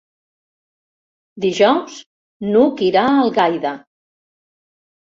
Dijous n'Hug irà a Algaida.